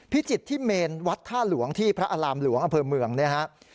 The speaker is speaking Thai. พิจิตรที่เมนวัดท่าหลวงที่พระอารามหลวงอำเภอเมืองเนี่ยครับ